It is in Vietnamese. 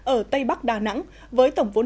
ở tây bắc đà nẵng với tổng vốn